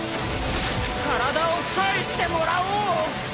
体を返してもらおう！